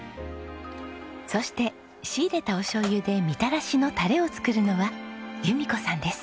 そして仕入れたお醤油でみたらしのタレを作るのは由美子さんです。